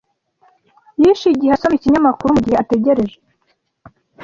Yishe igihe asoma ikinyamakuru mugihe ategereje.